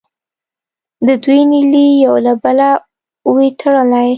د دوی نیلې یو له بله وې تړلې.